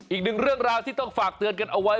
อีกหนึ่งเรื่องราวที่ต้องฝากเตือนกันเอาไว้